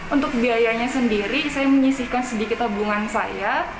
untuk biayanya sendiri saya menyisihkan sedikit tabungan saya